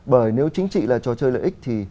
bởi nếu chính trị là trò chơi lợi ích thì